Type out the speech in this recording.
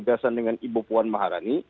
gagasan dengan ibu puan maharani